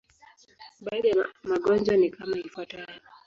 Baadhi ya magonjwa ni kama ifuatavyo.